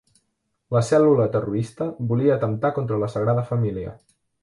La cèl·lula terrorista volia atemptar contra la Sagrada Família.